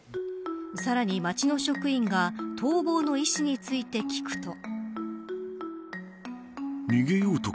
さらに、町の職員が逃亡の意思について聞くと。